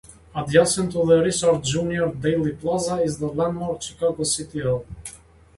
Adjacent to the Richard J. Daley Plaza is the landmark Chicago City Hall.